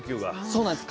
そうなんです。